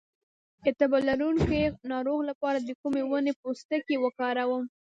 د تبه لرونکي ناروغ لپاره د کومې ونې پوستکی وکاروم؟